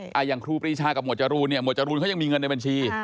อย่างครูปรีชากับหวดจรูนเนี่ยหมวดจรูนเขายังมีเงินในบัญชี